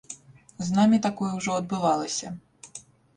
З намі такое ўжо адбывалася.